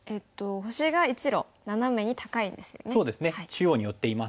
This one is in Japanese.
中央に寄っています。